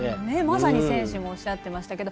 まさに選手もおっしゃってましたけど。